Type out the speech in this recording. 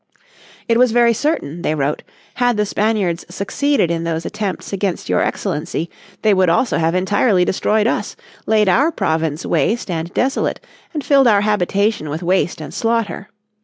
"It was very certain," they wrote, "had the Spaniards succeeded in those attempts against your Excellency they would also have entirely destroyed us, laid our province waste and desolate, and filled our habitation with waste and slaughter.